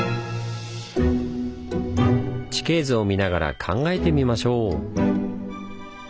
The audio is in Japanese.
地形図を見ながら考えてみましょう。